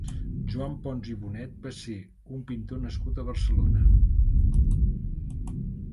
Joan Ponç i Bonet va ser un pintor nascut a Barcelona.